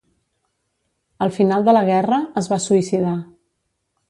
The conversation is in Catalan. Al final de la guerra, es va suïcidar.